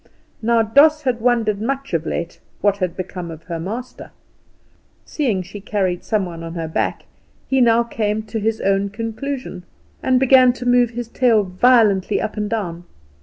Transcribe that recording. Now Doss had wondered much of late what had become of her master. Seeing she carried some one on her back, he now came to his own conclusion, and began to move his tail violently up and down.